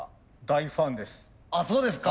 大ファンです。